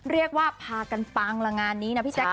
เรียกว่าพากันปังละงานนี้นะพี่แจ๊ค